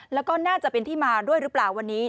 แล้วก็น่าจะเป็นที่มาด้วยหรือเปล่าวันนี้